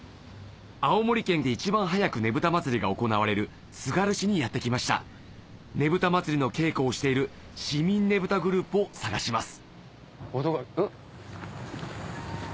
青森県で一番早くねぶた祭りが行われるつがる市にやって来ましたねぶた祭りの稽古をしている市民ねぶたグループを探しますん？